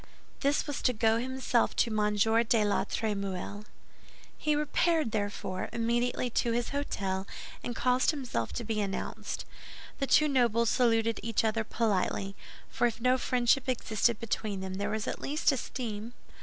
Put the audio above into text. This was to go himself to M. de la Trémouille. He repaired, therefore, immediately to his hôtel, and caused himself to be announced. The two nobles saluted each other politely, for if no friendship existed between them, there was at least esteem.